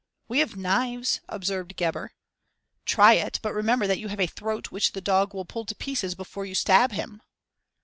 "We have knives," observed Gebhr. "Try it, but remember that you have a throat which the dog will pull to pieces before you stab him."